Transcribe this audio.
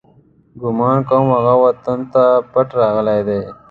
ګمان کوم، هغه وطن ته پټ راغلی دی.